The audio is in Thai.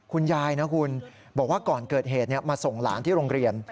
คุณยายนะคุณบอกว่าก่อนเกิดเหตุมาส่งหลานที่โรงเรียน